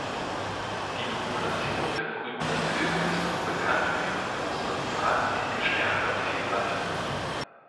Die Population der brütenden Vögel ist auch bekannt für ihre große zahlenmäßige Stärke und Vielfalt.